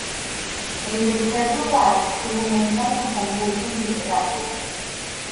En tercer lugar, se fomentan los concursos literarios.